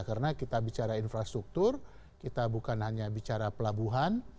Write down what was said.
karena kita bicara infrastruktur kita bukan hanya bicara pelabuhan